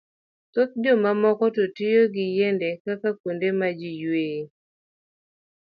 Thoth jomamoko to tiyo gi yiende kaka kuonde ma ji yueyoe.